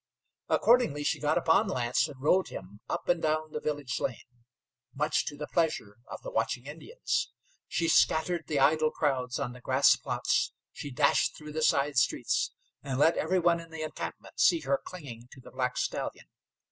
Accordingly she got upon Lance and rode him up and down the village lane, much to the pleasure of the watching Indians. She scattered the idle crowds on the grass plots, she dashed through the side streets, and let every one in the encampment see her clinging to the black stallion.